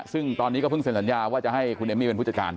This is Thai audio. ซึ่งตอนนี้ก็เพิ่งเซ็นสัญญาว่าจะให้คุณเอมมี่เป็นผู้จัดการ